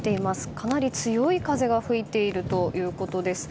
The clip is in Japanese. かなり強い風が吹いているということです。